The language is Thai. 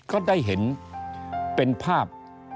ก็ได้เห็นเป็นภาพ